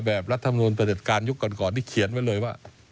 รัฐมนุนประเด็จการยุคก่อนที่เขียนไว้เลยว่า